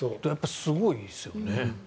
すごいですよね。